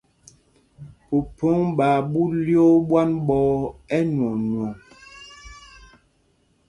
Phúphōŋ ɓaa ɓu lyoo ɓwán ɓɔ̄ɔ̄ ɛnwɔɔnwɔŋ.